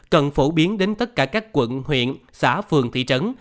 cần phổ biến đến tất cả các quận huyện xã phường thị trấn